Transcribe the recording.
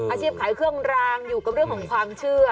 อาชีพขายเครื่องรางอยู่กับเรื่องของความเชื่อ